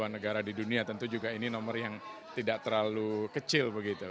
satu ratus sembilan puluh dua negara di dunia tentu juga ini nomor yang tidak terlalu kecil begitu